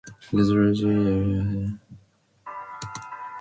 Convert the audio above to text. This led to her offering to resign.